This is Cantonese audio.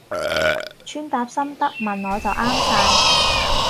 穿搭心得問我就啱晒